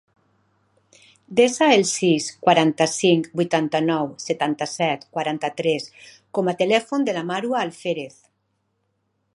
Desa el sis, quaranta-cinc, vuitanta-nou, setanta-set, quaranta-tres com a telèfon de la Marwa Alferez.